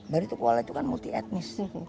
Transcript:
baritukwala itu kan multi etnis